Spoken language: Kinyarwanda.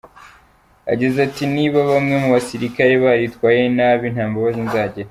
Yagize ati “Niba bamwe mu basirikare baritwaye nabi, nta mbabazi nzagira.